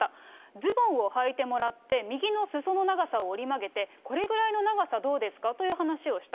ズボンをはいてもらって、右のすその長さを折り曲げて、これぐらいの長さどうですかという話をした。